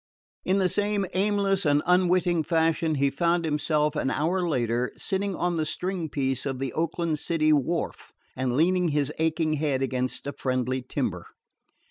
In the same aimless and unwitting fashion, he found himself, an hour later, sitting on the string piece of the Oakland city wharf and leaning his aching head against a friendly timber.